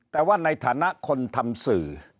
แต่ว่าในฐานะคนทำสื่อ